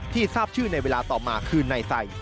ที่ทราบชื่อในเวลาต่อมาคือในใส่